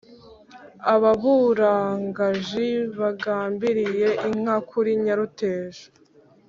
Ababurugaji bagambiriye inka kuri Nyaruteja,